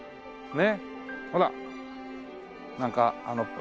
ねっ。